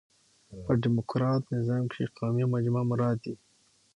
په ډيموکراټ نظام کښي قومي مجموعه مراد يي.